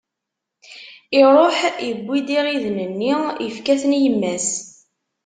Iṛuḥ, iwwi-d iɣiden-nni, ifka-ten i yemma-s.